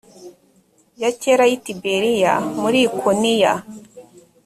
ya kera y i tiberiya muri ikoniya